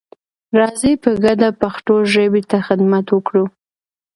راځئ په ګډه پښتو ژبې ته خدمت وکړو.